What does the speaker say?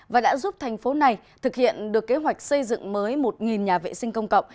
và đã giúp thành phố này thực hiện được kế hoạch xây dựng mới một nhà vệ sinh công cộng